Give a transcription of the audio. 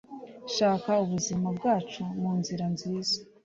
shaka ubuzima bwacu munzira nziza